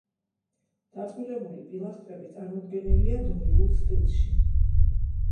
დაწყვილებული პილასტრები წარმოდგენილია დორიულ სტილში.